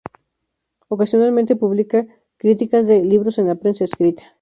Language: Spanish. Ocasionalmente publica críticas de libros en la prensa escrita.